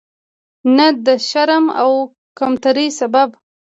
نه د شرم او کمترۍ سبب.